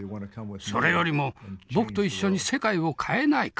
それよりも僕と一緒に世界を変えないか」。